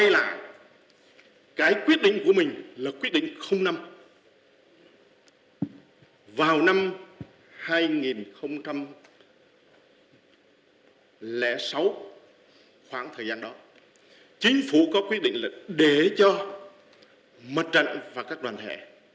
lệ sáu khoảng thời gian đó chính phủ có quyết định lệnh để cho mặt trận và các đoàn hệ